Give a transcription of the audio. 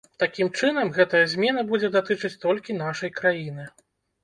Такім чынам, гэтая змена будзе датычыць толькі нашай краіны.